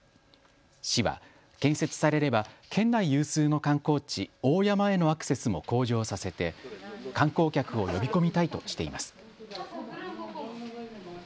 市は建設されれば県内有数の観光地、大山へのアクセスも向上させて観光客を呼び込みたいとしています。